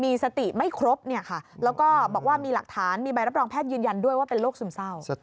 มีสติไม่ครบแล้วก็บอกว่ามีหลักฐานมีใบรับรองแพทย์ยืนยันด้วยว่าเป็นโรคซึมเศร้า